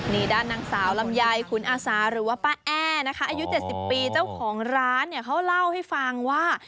นี่ด้านนางสาวลำไยขุนอาสาหรือว่าป้าแอ้นะคะอายุ๗๐ปีเจ้าของร้านเนี่ยเขาเล่าให้ฟังว่า